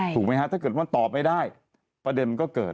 ถูกไหมฮะถ้าเกิดว่าตอบไม่ได้ประเด็นก็เกิด